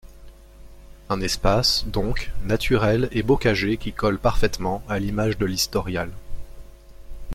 Un espace, donc, naturel et bocager qui colle parfaitement à l'image de l'Historial.